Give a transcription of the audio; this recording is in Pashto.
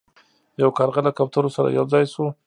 یو کارغه له کوترو سره یو ځای شو.